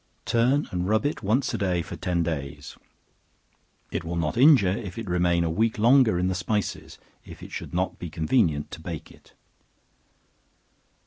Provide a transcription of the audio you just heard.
Turn and rub it once a day for ten days. It will not injure if it remain a week longer in the spices, if it should not be convenient to bake it.